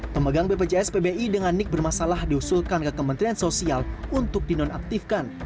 pemegang bpjs pbi dengan nik bermasalah diusulkan ke kementerian sosial untuk dinonaktifkan